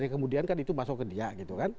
kemudian kan itu masuk ke dia